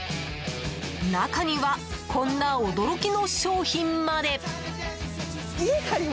中には、こんな驚きの商品まで。